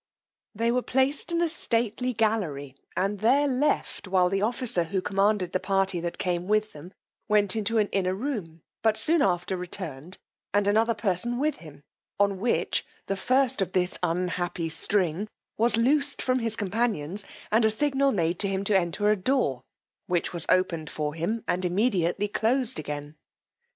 They were placed in a stately gallery, and there left, while the officer, who commanded the party that came with them, went into an inner room, but soon after returned, and another person with him; on which, the first of this unhappy string was loosed from his companions, and a signal made to him to enter a door, which was opened for him, and immediately closed again.